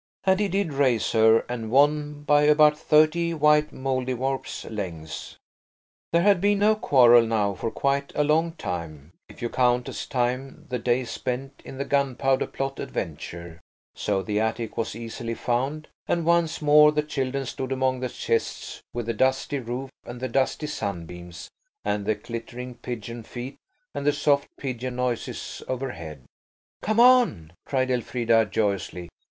He did race her, and won by about thirty white Mouldiwarp's lengths. There had been no quarrel now for quite a long time–if you count as time the days spent in the Gunpowder Plot adventure–so the attic was easily found, and once more the children stood among the chests, with the dusty roof, and the dusty sunbeams, and the clittering pigeon feet, and the soft pigeon noises overhead. "Come on," cried Elfrida joyously.